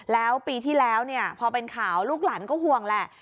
แล้วปีที่แล้วพอเป็นข่าวลูกหลานก็ห่วงแหละ